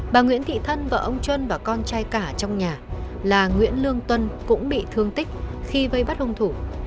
bà nguyễn thị thân và ông trân và con trai cả trong nhà là nguyễn lương tuân cũng bị thương tích khi vây bắt hung thủ